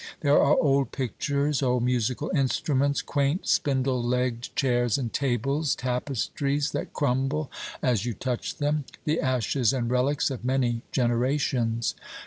There are old pictures, old musical instruments, quaint spindle legged chairs and tables, tapestries that crumble as you touch them the ashes and relics of many generations.